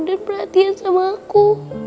dan perhatian sama aku